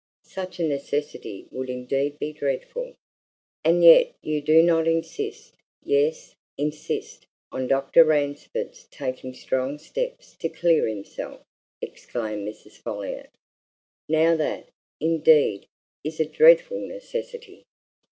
"Such a necessity would indeed be dreadful." "And yet you do not insist yes, insist! on Dr. Ransford's taking strong steps to clear himself!" exclaimed Mrs. Folliot. "Now that, indeed, is a dreadful necessity!"